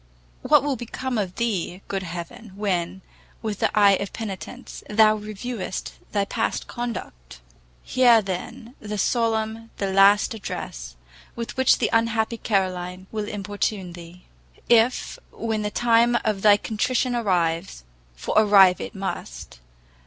what will become of thee, good Heaven, when, with the eye of penitence, thou reviewest thy past conduct! Hear, then, the solemn, the last address, with which the unhappy Caoline will importune thee. If when the time of thy contrition arrives, for arrive it must!